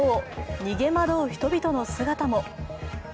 逃げ惑う人々の姿も。